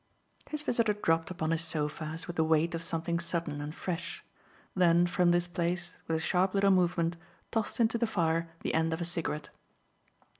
His visitor dropped upon his sofa as with the weight of something sudden and fresh; then from this place, with a sharp little movement, tossed into the fire the end of a cigarette.